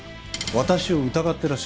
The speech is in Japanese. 私を疑ってらっしゃるんですか？